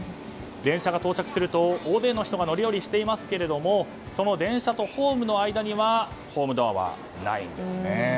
電車が到着すると大勢の人が乗り降りしていますがその電車とホームの間にはホームドアはないんですね。